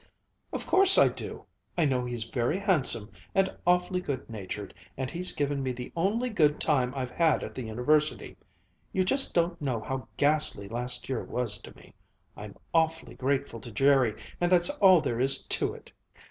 "Of course I do I know he's very handsome, and awfully good natured, and he's given me the only good time I've had at the University. You just don't know how ghastly last year was to me! I'm awfully grateful to Jerry, and that's all there is to it!"